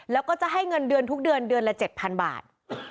แล้วก็จะให้เงินเดือนทุกเดือนเดือนละ๗๐๐บาท